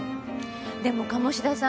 でも鴨志田さん